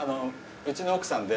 うちの奥さんで。